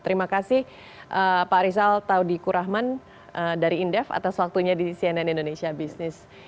terima kasih pak rizal taudikurahman dari indef atas waktunya di cnn indonesia business